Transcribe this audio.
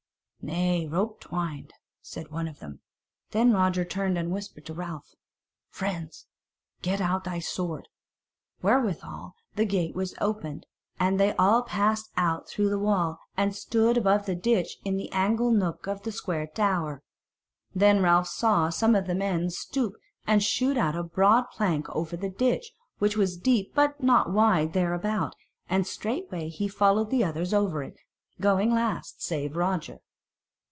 "Nay, rope twiner," said one of them. Then Roger turned and whispered to Ralph: "Friends. Get out thy sword!" Wherewithal the gate was opened, and they all passed out through the wall, and stood above the ditch in the angle nook of a square tower. Then Ralph saw some of the men stoop and shoot out a broad plank over the ditch, which was deep but not wide thereabout, and straightway he followed the others over it, going last save Roger.